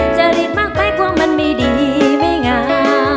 จะรีบมากไปกว่ามันมีดีไม่งาม